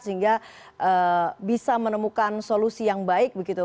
sehingga bisa menemukan solusi yang baik begitu